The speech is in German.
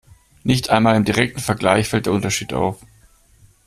Nicht einmal im direkten Vergleich fällt der Unterschied auf.